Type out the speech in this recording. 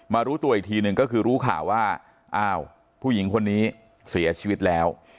รู้ตัวอีกทีหนึ่งก็คือรู้ข่าวว่าอ้าวผู้หญิงคนนี้เสียชีวิตแล้ว